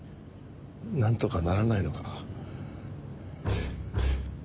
何とかならないのか？